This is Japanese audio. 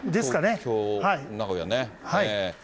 東京・名古屋ね。